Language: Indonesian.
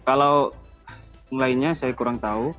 kalau mulainya saya kurang tahu